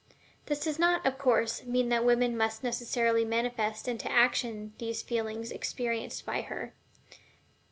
This does not, of course, mean that the woman must necessarily manifest into action the feeling experienced by her.